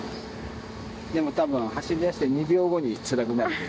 でもたぶん、走りだして２秒後につらくなる。